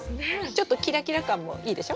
ちょっとキラキラ感もいいでしょ？